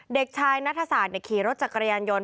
เด็กชายนัทศาสตร์ขี่รถจักรยานยนต